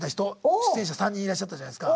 出演者３人いらっしゃったじゃないすか。